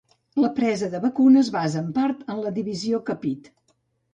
La presa de Bakun es basa, en part, en la divisió Kapit.